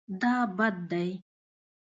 دا بد دی